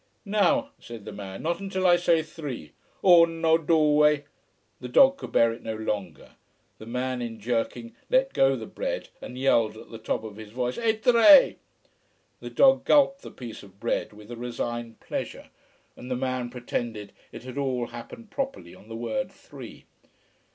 "Now !" said the man, "not until I say three _Uno due _" the dog could bear it no longer, the man in jerking let go the bread and yelled at the top of his voice "e tre!" The dog gulped the piece of bread with a resigned pleasure, and the man pretended it had all happened properly on the word "three."